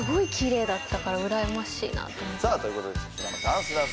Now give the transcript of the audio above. さあということで「粗品のダンスダンスナビ」